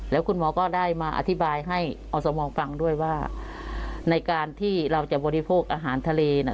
แล้วคุณหมอก็ได้มาอธิบายให้อสมฟังด้วยว่าในการที่เราจะบริโภคอาหารทะเลน่ะ